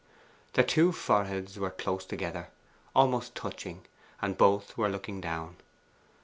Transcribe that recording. Their two foreheads were close together, almost touching, and both were looking down.